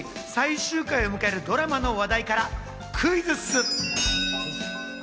まずはついに最終回を迎えるドラマの話題からクイズッス！